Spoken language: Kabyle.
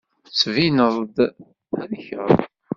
Tettbineḍ-d thelkeḍ.